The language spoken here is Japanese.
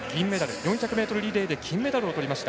４００ｍリレーで金メダルをとりました。